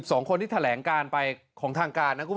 จาก๑๒คนที่แถลงการไปของทางกาญ